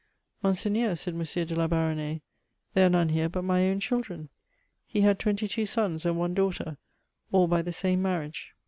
*' Monseigneur," said M. de la Banmnais, ^ there are none here but my owa. cfaikben." He had tweniy two sons and one daughter, all by the same marriagpe.